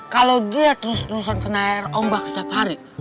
kalau dia terus terusan kena air ombak setiap hari